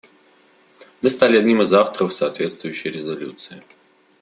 Мы стали одним из авторов соответствующей резолюции.